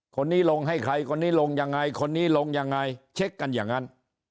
คนนี้ลงให้ใครคนนี้ลงยังไงคนนี้ลงยังไงเช็คกันอย่างนั้น